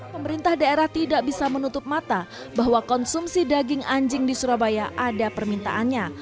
pemerintah daerah tidak bisa menutup mata bahwa konsumsi daging anjing di surabaya ada permintaannya